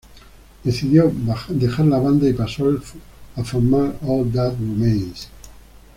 Decidió dejar la banda y pasó a formar All That Remains.